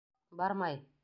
— Бармай!